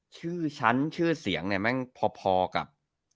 ชื่อฉันชื่อเสียงเนี่ยแม่งพอกับ